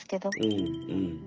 うんうん。